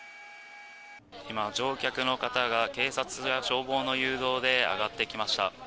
乗客の方が警察や消防の誘導で上がってきました。